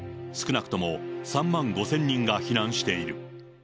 少なくとも３万５０００人が避難している。